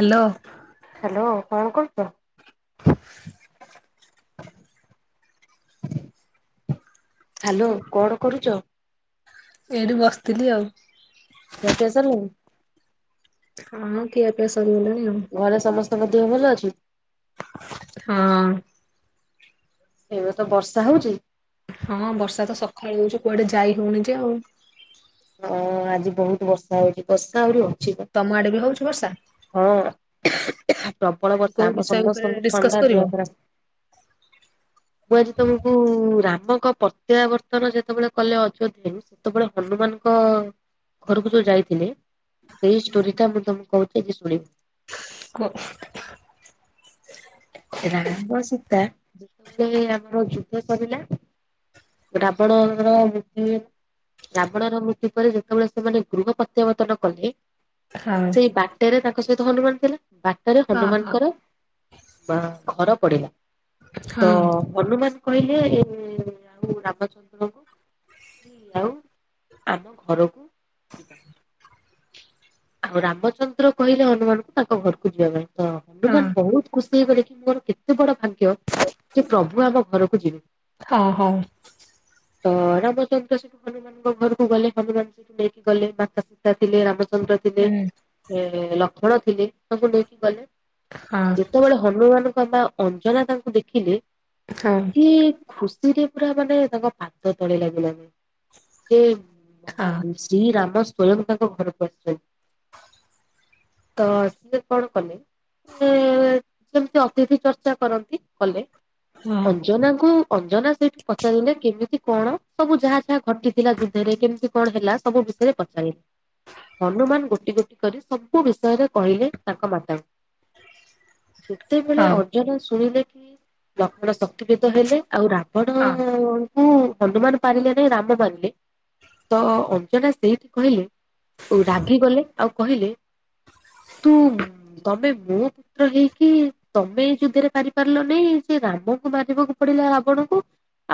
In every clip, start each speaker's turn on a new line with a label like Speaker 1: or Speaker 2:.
Speaker 1: Hello.
Speaker 2: Hello କଣ କରୁଚ? Hello କଣ କରୁଚ?
Speaker 1: ଏଇଠି ବସଥିଲି ଆଉ।
Speaker 2: ଖିଆ ପିଆ ସରଲାଇଁ?
Speaker 1: ହଁ ଖିଆ ପିଆ ସରିଗଲାଣି। ଆଉ।
Speaker 2: ଘରେ ସମସ୍ତଙ୍କ ଦେହ ଭଲ ଅଛି?
Speaker 1: ହଁ।
Speaker 2: ଏବେ ତ ବର୍ଷା ହଉଛି?
Speaker 1: ହଁ ବର୍ଷା ତ ସକାଳୁ ହଉଛି କୁଆଡେ ଯାଇ ହଉନି ଯେ ଆଉ।
Speaker 2: ହଁ ଆଜି ବହୁତ ବର୍ଷା ହଉଚି। ବର୍ଷା। [unintelligible]
Speaker 1: ତମ ଆଡେ ବି ହଉଚି ବର୍ଷା?
Speaker 2: ହଁ ପ୍ରବଳ
Speaker 1: ଆଜି
Speaker 2: ବର୍ଷା
Speaker 1: କୋଉ
Speaker 2: ଆମ
Speaker 1: ବିଷୟ ଉପରେ
Speaker 2: ସମସ୍ତଙ୍କୁ
Speaker 1: ଡିସକସ
Speaker 2: ଥଣ୍ଡା
Speaker 1: କରିବ
Speaker 2: ଦିହ ଖରାପ। ମୁଁ ଆଜି ତମକୁ ରା ମଙ୍କ ପ୍ରତ୍ୟାବର୍ତ୍ତନ ଯେତେବେଳେ କଲେ ଅଯୋଧ୍ୟା ସେତେବେଳେ ହନୁମାନ କ ଘରକୁ ଯୋଉ ଯାଇଥିଲେ ସେଇ ଷ୍ଟୋରିଟା ମୁଁ ତମକୁ କହୁଛି ଆଜି ଶୁଣିବ।
Speaker 1: କୁହ।
Speaker 2: ଟା ଯେତେବେଳେ ଆମର ଯୁଦ୍ଧ ସରିଲା ରାବଣ। [unintelligible] ରାବଣର ମୃତ୍ୟୁ ପରେ ଯେତେବେଳେ ସେମାନେ ଗୃହ ପ୍ରତ୍ୟାବର୍ତ୍ତନ କଲେ
Speaker 1: ହଁ
Speaker 2: ସେଇ ବାଟରେ ତାଙ୍କ ସହିତ ହନୁମାନ ଥିଲେ। ବାଟରେ
Speaker 1: ହଁ।
Speaker 2: ହନୁମାନଙ୍କର ବା ଘର ପଡିଲା।
Speaker 1: ହଁ
Speaker 2: ତ ହନୁମାନ କହିଲେ ଆଉ ରାମଚନ୍ଦ୍ର ଙ୍କୁ [unintelligible] ଆମ ଘରକୁ ଆଉ ରାମଚନ୍ଦ୍ର କହିଲେ ହନୁମାନ କୁ ତାଙ୍କ ଘରକୁ ଯିବା ପାଇଁ। ତ
Speaker 1: ହଁ ହଁ
Speaker 2: ହନୁମାନ ବହୁତ ଖୁସି ସେ ବୋଲେ କି ମୋର କେତେ ବଡ ଭାଗ୍ୟ ଯେ ପ୍ରଭୁ ଆମ ଘରକୁ ଯିବେ।
Speaker 1: ହଉ ହଉ।
Speaker 2: ତ ରାମଚନ୍ଦ୍ର ସେଠୁ ହନୁମାନଙ୍କ ଘରକୁ ଗଲେ ହନୁମାନ ସେଠୁ ନେଇକି ଗଲେ ମାତା ସିତା ଥିଲେ ରାମଚ ଚନ୍ଦ୍ର ଥିଲେ ଏ ଲକ୍ଷ୍ମଣ ଥିଲେ ତାଙ୍କୁ ନେଇକି ଗଲେ।
Speaker 1: ହଁ
Speaker 2: ଯେତେବେଳେ ହନୁମାନଙ୍କ ବା ଅଞ୍ଜନା ତାଙ୍କୁ ଦେଖିଲେ
Speaker 1: ହଁ ହଁ
Speaker 2: କି ଖୁସିରେ ପୁରା ମାନେ ତାଙ୍କ ପାଦ ତଳେ ଲାଗିଲାନି। ଯେ
Speaker 1: ହଁ।
Speaker 2: ଶ୍ରୀ ରାମ ସ୍ଵୟଂ ତାଙ୍କ ଘର କୁ ଆସିଛନ୍ତି। ତ ସେ କଣ କଲେ ଏ ଯେମିତି ଅତିଥି ଚର୍ଚ୍ଚା କରନ୍ତି କଲେ।
Speaker 1: ହଁ
Speaker 2: ଅଞ୍ଜନାକୁ ଅଞ୍ଜନା ସେଇଠୁ ପଚାରିଲେ କେମିତି କଣ? ସବୁ ଯାହା ଯାହା ଘଟିଥିଲା ଯୁଦ୍ଧରେ କେମିତି କଣ ହେଲା ସବୁ ବିଷୟରେ ପଚାରିଲେ। ହନୁମାନ ଗୋଟି ଗୋଟି କରି ସବୁ ବିଷୟରେ କହିଲେ ତାଙ୍କ ମାତାଙ୍କୁ। ଯେତେବେଳେ
Speaker 1: ହଁ
Speaker 2: ଅଞ୍ଜନା ଶୁଣିଲେ କି ଲକ୍ଷ୍ମଣ ଶକ୍ତିିଭେଦ ହେଲେ, ଆଉ ରା
Speaker 1: ହଁ
Speaker 2: ରାବଣ ଙ୍କୁ ହନୁମାନ ପାରିଲେ ନାଇଁ ରାମ ପାରିଲେ। ତ ଅଞ୍ଜନା ସେଇଠି କହିଲେ ଓ ରାଗି ଗଲେ ଆଉ କହିଲେ ତୁ ତମେ ମୋ ପୁତ୍ର ହେଇକି ତମେ ଏଇ ଯୁଦ୍ଧରେ ପାରିପାରିଲ ନାହିଁ। ସେ ରାମଙ୍କୁ ମାରିବାକୁ ପଡିଲା ରାବଣଙ୍କୁ।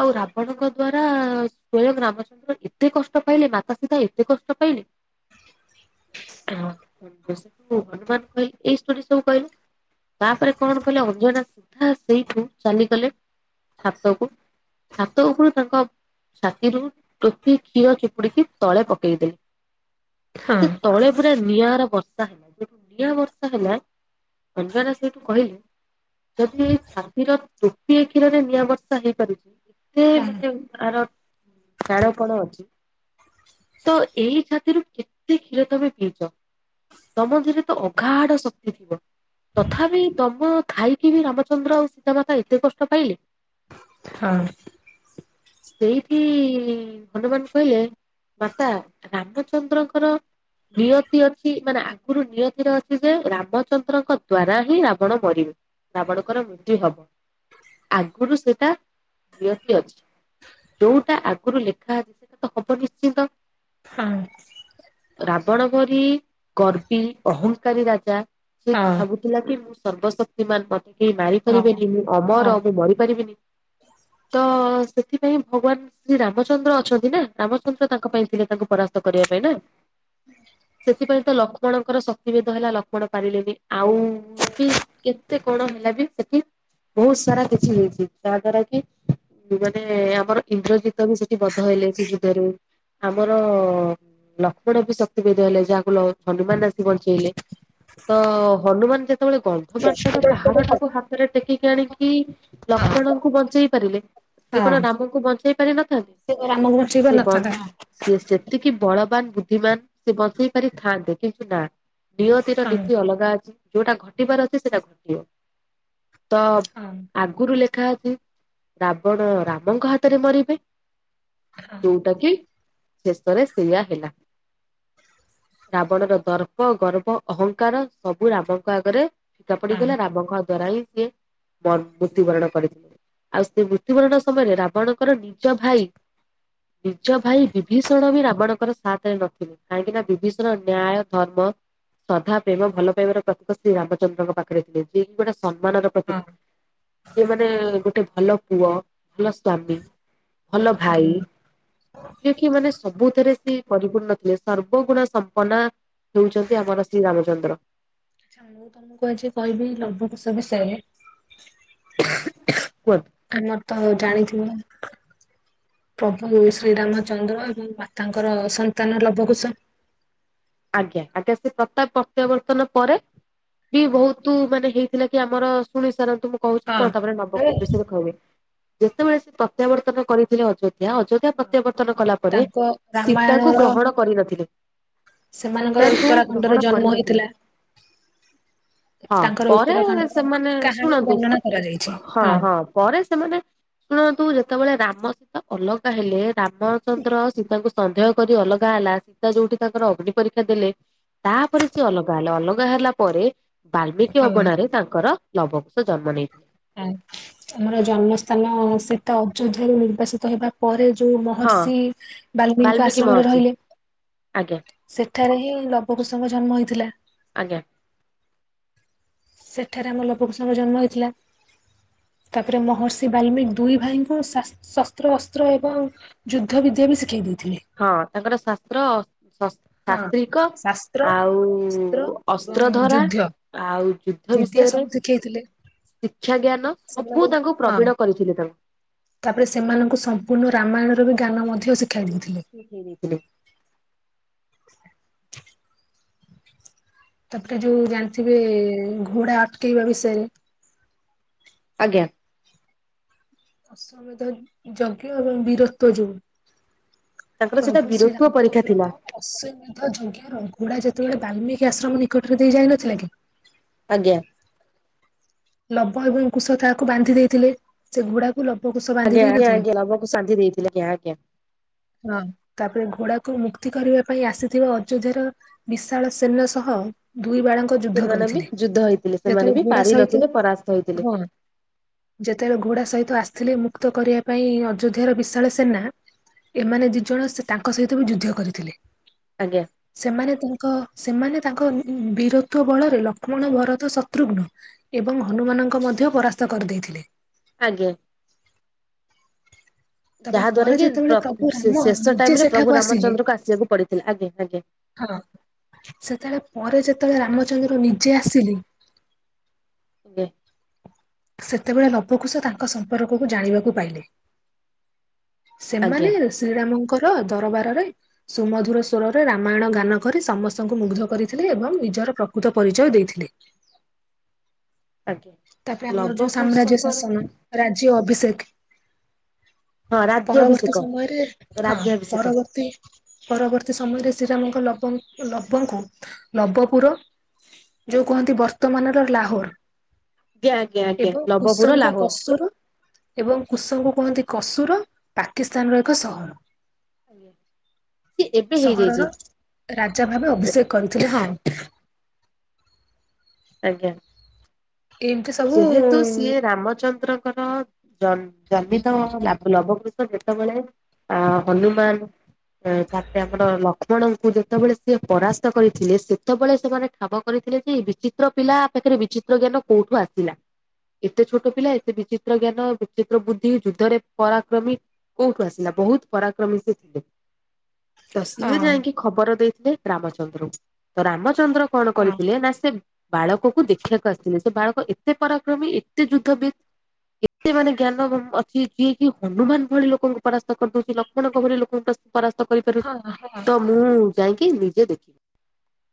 Speaker 2: ଆଉ ରାବଣଙ୍କ ଦ୍ଵାରା ସ୍ଵୟଂ ରାମଚନ୍ଦ୍ର ଏତେ କଷ୍ଟ ପାଇଲେ। ମାତା ସିତା ଏତେ କଷ୍ଟ ପାଇଲେ। [unintelligible] ସେଠୁ ହନୁମାନ କହିଲେ ଏଇ ଷ୍ଟୋରୀ ସବୁ କହିଲେ। ତାପରେ କଣ କଲେ ଅଞ୍ଜନା ସିଧା ସେଇଠୁ ଚାଲିଗଲେ ଛାତ କୁ। ଛାତ ଉପରୁ ତାଙ୍କ ଛାତିରୁ ଟୋପିଏ କ୍ଷୀର ଚିପୁଡିକି ତଳେ ପକେଇଦେଲେ। ସେ
Speaker 1: ହଁ
Speaker 2: ତଳେ ପୁରା ନିଆଁର ବର୍ଷା, ନିଆଁ ବର୍ଷା ହେଲା। ଅଞ୍ଜନା ସେଇଠୁ କହିଲେ ଯଦି ଏଇ ଛାତିର ଟୋପିଏ କ୍ଷୀରରେ ନିଆଁ ବର୍ଷା ହେଇପାରୁଚି [unintelligible]
Speaker 1: ହଁ
Speaker 2: ଟାଣ ପଣ ଅଛି। ତ ଏଇ ଛାତିରୁ କେତେ କ୍ଷୀର ତମେ ପିଇଚ। ତମ ଦେହ ରେ ତ ଅଗାଢ ଶକ୍ତି ଥିବ। ତଥାପି ତମ ଥାଇକି ବି ରାମଚନ୍ଦ୍ର ଆଉ ସୀତା ମାତା ଏତେ କଷ୍ଟ ପାଇଲେ।
Speaker 1: ହଁ।
Speaker 2: ସେଇଠି ହନୁମାନ କହିଲେ ମାତା ରାମଚ ଚନ୍ଦ୍ରଙ୍କର ନିୟତି ଅଛି ମାନେ ଆଗରୁ ନିୟତିରେ ଅଛି ଯେ ରାମଚନ୍ଦ୍ରଙ୍କ ଦ୍ଵାରା ହିଁ ରାବଣ ମରିବ। ରାବଣଙ୍କର ମୃତ୍ୟୁ ହବ ଆଗରୁ ସେଟା ନିଅତି ଅଛି। ଯୋଉଟା ଆଗରୁ ଲେଖା ଅଛି ସେଟା ତ ହବ ନିଶ୍ଚିନ୍ତ।
Speaker 1: ହଁ।
Speaker 2: ରାବଣ ଭରି ଗର୍ବି ଅହଂକାରୀ ରାଜା ସେ କି ଭାବୁଥିଲା କି ମୁଁ ସର୍ବଶକ୍ତିମାନ ମ କେହି
Speaker 1: ହଁ
Speaker 2: ମାରିପାରିବେନି, ମୁଁ
Speaker 1: ହଁ
Speaker 2: ଅମର ମୁଁ ମରିପାରିବିନି ତ ସେଥିପାଇଁ ଭଗବାନ ଶ୍ରୀ ରାମଚନ୍ଦ୍ର ଅଛନ୍ତି, ନା ରାମଚନ୍ଦ୍ର ତାଙ୍କ ପାଇଁ ଥିଲେ ତାଙ୍କୁ ପରାସ୍ତ କରିବା ପାଇଁ ନା! ସେଥିପାଇଁ ତ ଲକ୍ଷ୍ମଣଙ୍କର ଶକ୍ତିଭେଦ ହେଲା ଲକ୍ଷ୍ମଣ ପାରିଲେନି ଆଉ ବି କେତେ କଣ ହେ ବି ସେଠି ବହୁତ ସାରା କିଛି ହେଇଛି ଯାହା ଦ୍ୱାରା କି ମାନେ ଆମର ଇନ୍ଦ୍ରଜିତ ବି ସେଠି ବଧ ହେଇଲେ ସେ ଯୁଦ୍ଧରେ ଆମର ଲକ୍ଷ୍ମଣ ବି ଶକ୍ତି ଭେଦ ହେଲେ ଯାହାକୁ ହନୁମାନ ଆସି ବଞ୍ଚେଇଲେ ତ ହନୁମାନ ଯେ ସେତେବେଳେ ଗନ୍ଧମାର୍ତନ ପାହାହାର ଟାକୁ ହାତରେ ଟେକିକି ଆଣିକି ଲକ୍ଷ୍ମଣଙ୍କୁ ବଞ୍ଚେଇ ପାରିଲେ ସେ କଣ
Speaker 1: ହଁ।
Speaker 2: ରାମଙ୍କୁ ବଞ୍ଚେଇ ପାରିନଥାନ୍ତନ୍ତି
Speaker 1: ସେ ଆମକୁ ବଞ୍ଚେଇ ପାରିନଥାନ୍ତା ହଁ
Speaker 2: ସି ସ ତିକି ବଳବାନ ବୁଦ୍ଧିମାନ ସେ ବସେଇ ପାରିଥାନ୍ତେ କିନ୍ତୁ ନା ନିୟତିର ନୀତି ଅଲଗା ଅଛି ଯୋଉଟା ଘଟିବାର ଅଛି, ସେଟା ଘଟିବ ତ
Speaker 1: ହଁ
Speaker 2: ଆଗରୁ ଲେଖା ଅଛି। ରାବଣ ରାମଙ୍କ ହାତରେ ମରିବେ
Speaker 1: ହଁ।
Speaker 2: ଯୋଉଟା କି ପରେ ସେୟା ହେଲା ରାବଣ ର ଦର୍ପ ଗର୍ବ ଅହଙ୍କାର ସବୁ ରାମଙ୍କ ଆଗରେ ଫିକା
Speaker 1: ହଁ।
Speaker 2: ପଡିଗଲା ରାମଙ୍କ ଦ୍ଵାରା ହିଁ ସିଏ ମୃତ୍ୟୁବରଣ କରିଥିଲେ। ଆଉ ସେ ମୃତ୍ୟୁବରଣ ସମୟରେ ରାବଣଙ୍କର ନିଜ ଭାଇ ନିଜ ଭାଇ ବିଭୀଷ ଭଷଣ ବି ରାବଣଙ୍କର ସାଥରେ ନଥିଲେି କାହିଁକି ନା ବିଭୀଷଣ ନ୍ୟାୟ ଧର୍ମ ଶ୍ରଧା ପ୍ରେମ ଭଲ ପାଇବାର ପ୍ରତୀକ ଶ୍ରୀ ରାମଚନ୍ଦ୍ରଙ୍କ ପାଖରେ ଥିଲେ ଯିଏକି ଗୋଟେ ସମ୍ମାନର
Speaker 1: ହଁ
Speaker 2: ପ୍ରତୀକ ଯିଏ ମାନେ ଗୋଟେ ଭଲ ପୁଅ ଭଲ ସ୍ଵାମୀ ଭଲ
Speaker 1: ହଁ
Speaker 2: ଭାଇ
Speaker 1: ଆଚ୍ଛା
Speaker 2: ଯିଏ କି ମାନେ
Speaker 1: [inaudible]
Speaker 2: ସବୁଥିରେ ସେ ପରିପୂର୍ଣ୍ ନ ଥିଲେ ସର୍ବଗୁଣା ସମ୍ପନା ହଉଛନ୍ତି ଆମର ଶ୍ରୀରାମଚନ୍ଦ୍ର
Speaker 1: ମୁଁ ତମକୁ ଆଜି କହିବି ଲବୁକୋଷ ବିଷୟରେ
Speaker 2: କୁହନ୍ତୁ
Speaker 1: ଆମର ତ ଆଉ ଜାଣିଥିଲ ପ୍ରଭୁ ଶ୍ରୀରାମଚନ୍ଦ୍ର ଏବଂ ମାତାଙ୍କର ସନ୍ତାନ ଲବକୁଷ
Speaker 2: ଆଜ୍ଞା ଆଜ୍ଞା ସେ ପ୍ରତାପ ପ୍ରତ୍ୟାବର୍ତ୍ତନ ପରେ ବି ବହୁତ ମାନେ ହେଇଥିଲା କି ଆମର ଶୁଣି ସାରନ୍ତି ମୁଁ କହୁଛି କଣ
Speaker 1: ହଁ
Speaker 2: ତାପରେ
Speaker 1: ଏ
Speaker 2: ଲବକଷ ବିଷୟରେ କହିବେ ଯେତେବେଳେ ସେ ପ୍ରତ୍ୟାବର୍ତ୍ତନ କରିଥିଲେ ଅଯୋଧ୍ୟ ଅଯୋଧ୍ୟା ପ୍ରତ୍ୟାବର୍ତ୍ତନ କଲା ପରେ
Speaker 1: ତାଙ୍କ
Speaker 2: ସୀତାଙ୍କୁ
Speaker 1: ରାମାୟଣର
Speaker 2: ଗ୍ରହଣ କରିନଥିଲେ।
Speaker 1: ସେମାନଙ୍କର
Speaker 2: ସୀତାଙ୍କୁ
Speaker 1: ଉତ୍ତରାଖଣ୍ଡରେ
Speaker 2: ଗ୍ରହଣ
Speaker 1: ଜନ୍ମ
Speaker 2: କରିନଥିଲେ
Speaker 1: ହୋଇଥିଲା
Speaker 2: ହଁ
Speaker 1: ତାଙ୍କର
Speaker 2: ପରେ
Speaker 1: ଉତ୍ତରାଖଣ୍ଡର
Speaker 2: ସେମାନେ
Speaker 1: କାହାଣୀ
Speaker 2: ଶୁଣନ୍ତୁ
Speaker 1: ବର୍ଣ୍ଣନା କରାଯାଇଛି
Speaker 2: ହଁ ହଁ ପରେ ସେମାନେ ଶୁଣନ୍ତୁ ଯେତେବେଳେ ରାମ ସୀତା ଅଲଗା ହେଲେ ରାମଚନ୍ଦ୍ର ସୀତାଙ୍କୁ ସନ୍ଦେହ କରି ଅଲଗା ହେଲା ସୀତା ଯୋଉଠି ତାଙ୍କର ଅଗ୍ନି ପରୀକ୍ଷା ଦେଲେ ତାପରେ ସେ ଅଲଗା ହେଲେ ଅଲଗା ହେଲା ପରେ ବାଲ୍ମିକି
Speaker 1: ହଁ
Speaker 2: ଅଗଣାରେ ତାଙ୍କର ଲବକୋଷ ଜନ୍ମ ନେଇ
Speaker 1: ଆମର ବଶିତ ହେବା ପରେ ଯୋଉ
Speaker 2: ହଁ
Speaker 1: ମହର୍ଷି ବାଲମୀଙ୍କ
Speaker 2: ବାଲ୍ମିକି
Speaker 1: ଆଶ୍ରମରେ
Speaker 2: ମହର୍ଷି
Speaker 1: ରହିଲେ
Speaker 2: ଆଜ୍ଞା
Speaker 1: ସେଠାରେ ହିଁ ଲବ କୃସଙ୍କ ଜନ୍ମ ହୋଇଥିଲା।
Speaker 2: ଆଜ୍ଞା
Speaker 1: ସେଠାରେ ଆମ ଲବକୁଶଙ୍କ ଜନ୍ମ ହୋଇଥିଲା। ତାପରେ ମହର୍ଷି ବାଲମିକ ଦୁଇ ଭାଇଙ୍କୁ ଶସ୍ତ୍ର ଅସ୍ତ୍ର ଏବଂ ଯୁଦ୍ଧ ବିଦ୍ୟା ବି ଶିଖାଇ ଦେଇ
Speaker 2: ହଁ ତାଙ୍କର ଶାସ୍ତ୍ର
Speaker 1: ହଁ
Speaker 2: ଶାସ୍ତ୍ରୀକ
Speaker 1: ଶାସ୍ତ୍ର
Speaker 2: ଆଉ
Speaker 1: ଅସ୍ତ୍ର ଏବଂ
Speaker 2: ଅସ୍ତ୍ର ଧରା
Speaker 1: ଯୁଦ୍ଧ
Speaker 2: ଆଉ ଯୁଦ୍ଧ
Speaker 1: ବିଦ୍ୟା
Speaker 2: ବିଷୟରେ
Speaker 1: ସବୁ ଶିଖେଇଥିଲେ।
Speaker 2: ଶିକ୍ଷା, ଜ୍ଞାନ
Speaker 1: ସେମାନେ
Speaker 2: ସବୁ ତାଙ୍କୁ
Speaker 1: ହଁ
Speaker 2: ପ୍ରବୀଣ କରିଥିଲେ ତାଙ୍କୁ
Speaker 1: ତାପରେ ସେମାନଙ୍କୁ ସମ୍ପୂର୍ଣ୍ଣ ରାମାୟଣ ର ବି ଜ୍ଞାନ ମଧ୍ୟ ଶି
Speaker 2: ଶିଖେଇ ଦେଇଥିଲେ।
Speaker 1: ତାପରେ ଯୋଉ ଜାଣିଥିବେ ଘୋଡ଼ା ଅଟକେଇବା ବିଷୟରେ।
Speaker 2: ଆଜ୍ଞା।
Speaker 1: ଅଶ୍ୱମେଧ ଯଜ୍ଞ ଏବଂ ବୀରତ୍ୱ ଯୋଉ।
Speaker 2: ତାଙ୍କର ସେଇଟା
Speaker 1: ପ୍ରଭୁ ଶ୍ରୀ
Speaker 2: ବୀରତ୍ୱ ପରୀକ୍ଷା ଥିଲା
Speaker 1: ରାମଚନ୍ଦ୍ରଙ୍କ ଅଶ୍ଵମେଧ ଯଜ୍ଞର ଘୋଡ଼ା ଯେତେବେଳେ ବାଲ୍ମିକି ଆଶ୍ରମ ନିକଟରେ ଦେଇ ଯାଇ ନଥିଲା କି?
Speaker 2: ଆଜ୍ଞା।
Speaker 1: ଲବ ଏବଂ କୁଶ ତାହାକୁ ବାନ୍ଧି ଦେଇଥିଲେ। ସେ ଘୋଡ଼ା
Speaker 2: ଆଜ୍ଞା, ଆଜ୍ଞା, ଆଜ୍ଞା, ଲବ କୁଶ ବାନ୍ଧି ଦେଇଥିଲେ ଆଜ୍ଞା, ଆଜ୍ଞା।
Speaker 1: ହଁ, ତାପରେ ଘୋଡ଼ାକୁ ମୁକ୍ତି କରିବା ପାଇଁ ଆସିଥିବା ଅଯୋଧ୍ୟାର ବିଶାଳ ସେନା ସହ ଦୁଇ ବାଳଙ୍କ ଯୁଦ୍ଧ
Speaker 2: ସେମାନେ ବି
Speaker 1: କରିଥିଲେ
Speaker 2: ଯୁଦ୍ଧ ହେଇଥିଲେ ସେମାନେ
Speaker 1: ଯେତେବେଳେ
Speaker 2: ବି
Speaker 1: ଘୋଡ଼ା
Speaker 2: ପାରି
Speaker 1: ସହିତ
Speaker 2: ନଥିଲେ ପରାସ୍ତ ହେଇଥିଲେ
Speaker 1: ହଁ ଯେତେବେଳେ ଘୋଡ଼ା ସହିତ ଆସିଥିଲେ ମୁକ୍ତ କରିବା ପାଇଁ ଅଯୋଧ୍ୟାର ବିଶାଳ ସେନା ଏମାନେ ଦୁଇ ଜଣ ସେ ତାଙ୍କ ସହିତ ବି ଯୁଧ୍ୟ କରିଥିଲେ।
Speaker 2: ଆଜ୍ଞା
Speaker 1: ସେମାନେ ତାଙ୍କ ସେମାନେ ତାଙ୍କ ବୀରତ୍ବ ବଳରେ ଲକ୍ଷ୍ମଣ, ଭରତ, ଶତ୍ରୁଘ୍ନ ଏବଂ ହନୁମାନଙ୍କ ମଧ୍ୟ ପରାସ୍ତ କରିଦେଇଥିଲେ।
Speaker 2: ଆଜ୍ଞା।
Speaker 1: ତାପରେ
Speaker 2: ଯାହା ଦ୍ଵାରା
Speaker 1: ପରେ
Speaker 2: କି
Speaker 1: ଯେତେବେଳେ
Speaker 2: ପ୍ର
Speaker 1: ପ୍ରଭୁ
Speaker 2: ସେ
Speaker 1: ରାମ
Speaker 2: ଶେଷ
Speaker 1: ନିଜେ
Speaker 2: ଟାଇମ ରେ
Speaker 1: ସେଠାକୁ
Speaker 2: ପ୍ରଭୁ
Speaker 1: ଆସିଲେ
Speaker 2: ରାମଚନ୍ଦ୍ରଙ୍କୁ ଆସିବାକୁ ପଡିଥିଲା ଆଜ୍ଞା, ଆଜ୍ଞା।
Speaker 1: ହଁ ସେତେବେଳେ ପରେ ଯେତେବେଳେ ରାମଚନ୍ଦ୍ର ନିଜେ ଆସିଲେ
Speaker 2: ଦେ
Speaker 1: ସେତେବେଳେ ଲବକୁଶ ସେ ତାଙ୍କ ସମ୍ପର୍କକୁ ଜାଣିବାକୁ ପାଇଲେ।
Speaker 2: ଆଜ୍ଞା
Speaker 1: ସେମାନେ ଶ୍ରୀରାମ ଙ୍କର ଦରବାରରେ ସୁମଧୁର ସ୍ବରରେ ରାମାୟଣ ଗାନ କରି ସମସ୍ତଙ୍କୁ ମୁଗ୍ଧ କରିଥିଲେ ଏବଂ ନିଜର ପ୍ରକୃତ ପରିଚୟ ଦେଇଥିଲେ।
Speaker 2: ଆଜ୍ଞା
Speaker 1: ତାପରେ ଆମର
Speaker 2: ଲବ
Speaker 1: ଯୋଉ ସାମ୍ରାଜ୍ୟ
Speaker 2: କୁଶଙ୍କର
Speaker 1: ଶାସନ ରାଜ୍ୟ ଅଭିଷେକ।
Speaker 2: ହଁ
Speaker 1: ପରବର୍ତ୍ତୀ
Speaker 2: ରାଜ୍ୟାଭିଷେକ
Speaker 1: ସମୟରେ ହଁ
Speaker 2: ରାଜ୍ୟାଭିଷେକ
Speaker 1: ପରବର୍ତ୍ତୀ ପରବର୍ତ୍ତୀ ସମୟରେ ଶ୍ରୀରାମଙ୍କ ଲବ ଲବଙ୍କୁ ଲବପୁର ଯୋଉ କୁହନ୍ତି ବର୍ତ୍ତମାନର ଲାହୋର।
Speaker 2: ଆଜ୍ଞା ଆଜ୍ଞା ଆଜ୍ଞା
Speaker 1: ଏବଂ
Speaker 2: ନବପୁର
Speaker 1: କୁଶଙ୍କୁ
Speaker 2: ଲାହୋର।
Speaker 1: କସୁର ଏବଂ କୁଶଙ୍କୁ କୁହନ୍ତି କସୁର ପାକିସ୍ତାନ ର ଏକ ସହର।
Speaker 2: ଆଜ୍ଞା। ସିଏ ଏବେ ହେଇଯାଇଛି
Speaker 1: ସହରର ରାଜା ଭାବେ ଅଭିଷେକ କରିଥିଲେ, ହଁ।
Speaker 2: ଆଜ୍ଞା।
Speaker 1: ଏମିତି ସବୁ ହଁ
Speaker 2: ଯେହେତୁ ସିଏ ରାମଚନ୍ଦ୍ରଙ୍କର ଜନ୍ ଜନ୍ମିତ ଲା ଲବକୁଶ ଯେତେବେଳେ ଆଁ ହନୁମାନ ତାପରେ ଆମର ଲକ୍ଷ୍ ବଣଙ୍କୁ ଯେତେବେଳେ ସିଏ ପରାସ୍ତ କରିଥିଲେ ସେତେବେଳେ ସେମାନେ ଠାବ କରିଥିଲେ ଯେ ବିଚିତ୍ର ପିଲା ପାଖେ ରେ ବିଚିତ୍ର ଜ୍ଞାନ କୋଉଠୁ ଆସିଲା? ଏତେ ଛୋଟ ପିଲା ଏତେ ବିଚିତ୍ର ଜ୍ଞାନ, ବିଚିତ୍ର ବୁଦ୍ଧି, ଯୁଦ୍ଧରେ ପରାକ୍ରମୀ କୋଉଠୁ ଆସିଲା ବହୁତ ପରାକ୍ରମୀ ସେ ଥିଲେ। ତ
Speaker 1: ହଁ
Speaker 2: ସିଏ ଯାଇକି ଖବର ଦେଇଥିଲେ ରାମଚନ୍ଦ୍ରଙ୍କୁ ତ ରାମ ଚନ୍ଦ୍ର କ'ଣ
Speaker 1: ହଁ
Speaker 2: କରିଥିଲେ ନା ସେ ବାଳକକୁ ଦେଖିବାକୁ ଆସିଥିଲେ ସେ ବାଳକ ଏ ତେ ପରାକ୍ରମୀ ଏତେ ଯୁଦ୍ଧବିତ୍ ଏତେ ମାନେ ଜ୍ଞାନ ଅଛି ଯିଏ କି ହନୁମାନ ଭଳି ଲୋକଙ୍କୁ ପରାସ୍ତ କରିଦଉଛି ଲକ୍ଷ୍ମଣଙ୍କ ଭଳି ଲୋକଙ୍କୁ ପ ପରାସ୍ତ କରିପାରୁ
Speaker 1: ହଁ ହଁ
Speaker 2: ତ ମୁଁ ଯାଇକି ନିଜେ ଦେଖିବି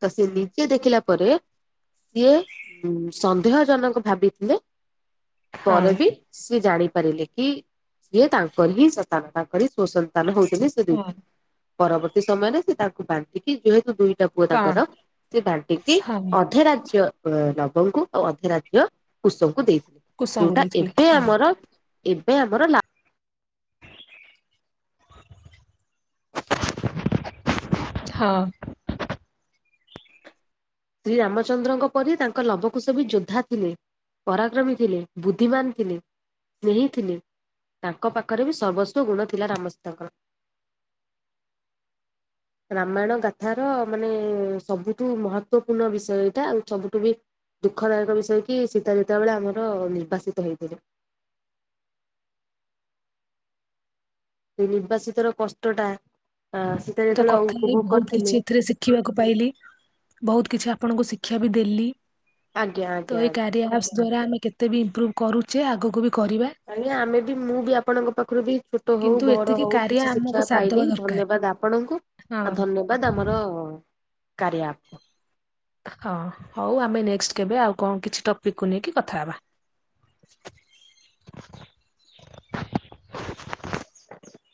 Speaker 2: ତ ସିଏ ନିଜେ ଦେଖିଲା ପରେ ସିଏ ସନ୍ଦେହ ଜନକ ଭାବିଥିଲେ। ପରେ
Speaker 1: ହଁ
Speaker 2: ବି ସିଏ ଜାଣି ପାରିଲେ କି ସିଏ ତାଙ୍କର ହିଁ ସନ୍ତାନ ତାଙ୍କରି ସୁସନ୍ତାନ ହଉଛନ୍ତି ସେ ଦି
Speaker 1: ହଁ
Speaker 2: ପରବର୍ତ୍ତୀ ସମୟରେ ସେ ତାଙ୍କୁ ବାଣ୍ଟିକି ଯେହେତୁ ଦୁଇ ଟ ପୁଅ
Speaker 1: ହଁ
Speaker 2: ତାଙ୍କର ସେ ବାଣ୍ଟିକି
Speaker 1: ହଁ
Speaker 2: ଅଧେ ରାଜ୍ୟ ନବଙ୍କୁ ଆଉ ଅଧେ ରାଜ୍ୟ କୁଶଙ୍କୁ ଦେଇଥିଲେି
Speaker 1: କୁଶଙ୍କୁ
Speaker 2: ଯୋଉଟା
Speaker 1: ଦେଇଥିଲେ
Speaker 2: ଏବେ
Speaker 1: ହଁ
Speaker 2: ଆମର ଏବେ ଆମର ଲା
Speaker 1: ହଁ।
Speaker 2: ଶ୍ରୀରାମଚନ୍ଦ୍ରଙ୍କ ପରି ତାଙ୍କ ଲବକୁଶ ବି ଯୋଦ୍ଧା ପରାକ୍ରମୀ ଥିଲେ, ବୁଦ୍ଧିମାନ ଥିଲେ, ସ୍ନେହୀ ଥି ତାଙ୍କ ପାଖରେ ବି ସର୍ବସ୍ୱ ଗୁଣ ଥିଲା ରାମସୀତାଙ୍କର। ରାମାୟଣ ଗାଥା ର ମାନେ ସବୁଠୁ ମହତ୍ଵ ଗୁରୁତ୍ୱପୂର୍ଣ୍ଣ ବିଷୟ ଏଇଟା ଆଉ ସବୁଠୁ ବି ଦୁଃଖଦାୟକ ବିଷୟ କି ସୀତା ଯେତେବେଳେ ଆମର ନିର୍ବାସିତ ହେଇଥିଲେ। ସେ ନିର୍ବାଚସିତ ର କଷ୍ଟ ଟା
Speaker 1: ମୁ ତ କଥା ହେଇ ବୋହୁତ କିଛି ଏଥିରେ ଶିଖିବାକୁ ପାଇଲି ବୋହୁତ କିଛି ଆପଣଙ୍କୁ ଶି ଶିକ୍ଷା ବି ଦେଲି,
Speaker 2: ଆଜ୍ଞା
Speaker 1: ତ
Speaker 2: ଆଜ୍ଞା
Speaker 1: ଏଇ
Speaker 2: ଆଜ୍ଞା।
Speaker 1: କାରିପ ଦ୍ଵାରା ଆମେ କେତେ ବି ଇମ୍ପ୍ରୁଭ କରୁଛେ ଆଗକୁ ବି କରିବା
Speaker 2: ଆଜ୍ଞା ଆମେ ବି ମୁଁ ବି ଆପଣଙ୍କ ପାଖରୁ ବି ଛୋଟ ହଉ
Speaker 1: କିନ୍ତୁ
Speaker 2: ବଡ
Speaker 1: ଏତିକି
Speaker 2: ହଉ
Speaker 1: କାରିଆ
Speaker 2: କିଛି
Speaker 1: ଆମକୁ
Speaker 2: ଶିଖିବା
Speaker 1: ସାଥ ଦବା
Speaker 2: ପାଇବି
Speaker 1: ଦରକାର
Speaker 2: ଧନ୍ୟବାଦ ଆପଣ ଆପଣଙ୍କୁ
Speaker 1: ହଁ
Speaker 2: ଆଉ ଧନ୍ୟବାଦ ଆମର କାରିୟ ଆପକୁ।
Speaker 1: ହଁ ହଉ ଆମେ ନେକଷ୍ଟ କେବେ ଆଉ କଣ କିଛି ଟପିକକୁ ନେଇକି କଥା ହେବା।
Speaker 2: [inaudible]